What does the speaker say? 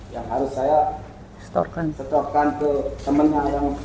yang harus saya setorkan ke temennya yang